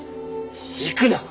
行くな！